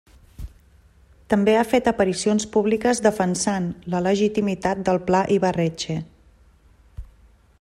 També ha fet aparicions públiques defensant la legitimitat del Pla Ibarretxe.